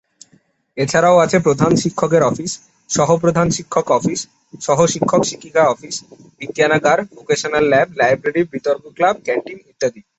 এছাড়াও আছে প্রধান শিক্ষকের অফিস, সহঃপ্রধান শিক্ষক অফিস, সহঃশিক্ষক-শিক্ষিকা অফিস, বিজ্ঞানাগার, ভোকেশনাল ল্যাব, লাইব্রেরী, বিতর্ক ক্লাব, ক্যান্টিন ইত্যাদি।